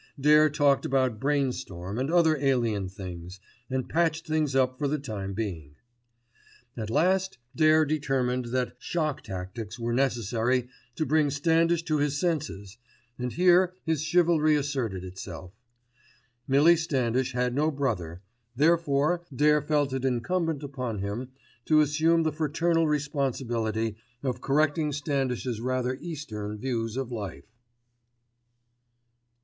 Dare talked about brain storm and other alien things, and patched things up for the time being. At last Dare determined that shock tactics were necessary to bring Standish to his senses, and here his chivalry asserted itself. Millie Standish had no brother, therefore Dare felt it incumbent upon him to assume the fraternal responsibility of correcting Standish's rather Eastern views of life.